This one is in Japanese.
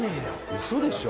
嘘でしょ！？